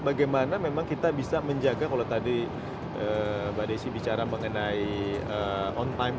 bagaimana memang kita bisa menjaga kalau tadi mbak desi bicara mengenai on time